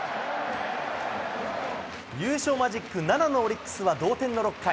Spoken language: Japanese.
優勝マジック７のオリックスは同点の６回。